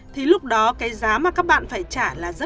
thì lúc đó cái giá mà các bạn phải trả lại là bao nhiêu